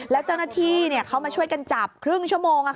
แล้วเจ้าหน้าที่เขามาช่วยกันจับครึ่งชั่วโมง